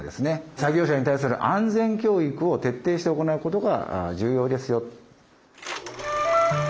作業者に対する安全教育を徹底して行うことが重要ですよと。